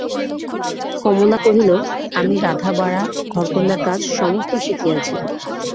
কমলা কহিল, আমি রাঁধাবাড়া ঘরকন্নার কাজ সমস্ত শিখিয়াছি।